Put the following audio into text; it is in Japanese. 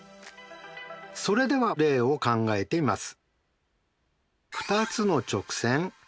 それでは例を考えてみます。